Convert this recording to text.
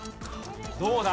どうだ？